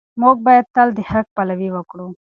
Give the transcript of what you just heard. موږ باید تل د حق پلوي وکړو.